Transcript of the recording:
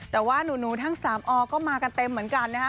แต่ว่าหนูทั้ง๓อก็มากันเต็มเหมือนกันนะฮะ